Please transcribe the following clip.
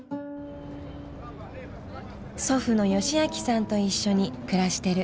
祖父のヨシアキさんと一緒に暮らしてる。